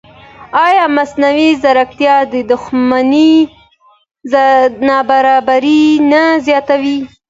ایا مصنوعي ځیرکتیا د شتمنۍ نابرابري نه زیاتوي؟